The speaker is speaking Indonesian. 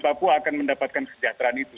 papua akan mendapatkan kesejahteraan itu